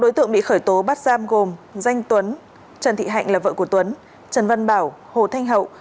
bốn đối tượng bị khởi tố bắt giam gồm danh tuấn trần thị hạnh là vợ của tuấn trần văn bảo hồ thanh hậu